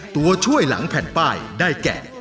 ตัวช่วยหลังแผ่นป้ายได้แก่